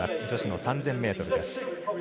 女子の３０００ｍです。